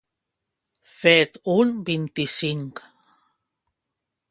Fet un vint-i-cinc.